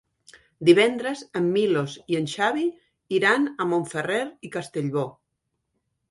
Divendres en Milos i en Xavi iran a Montferrer i Castellbò.